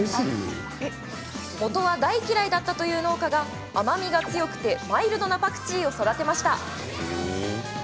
もとは大嫌いだったという農家が甘みが強くてマイルドなパクチーを育てました。